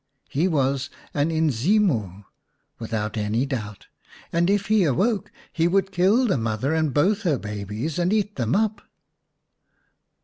He was an Inzimu, 1 without any doubt, and if he awoke he would kill the mother and both her babies and eat them up.